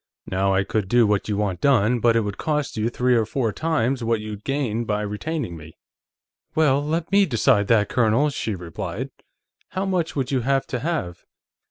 Now, I could do what you want done, but it would cost you three or four times what you'd gain by retaining me." "Well, let me decide that, Colonel," she replied. "How much would you have to have?"